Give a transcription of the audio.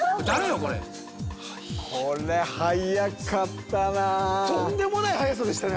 これこれはやかったなとんでもないはやさでしたね